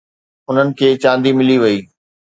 انهن کي چاندي ملي وئي.